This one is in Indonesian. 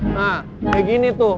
nah kayak gini tuh